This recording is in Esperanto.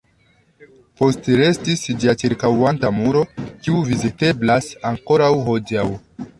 Postrestis ĝia ĉirkaŭanta muro, kiu viziteblas ankoraŭ hodiaŭ.